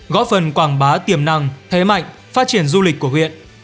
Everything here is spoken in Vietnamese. góp phần quảng bá tiềm năng thế mạnh phát triển du lịch của huyện